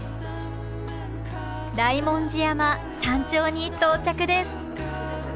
大文字山山頂に到着です。